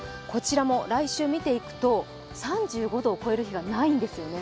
来週見ていくと３５度を超える日がないんですよね。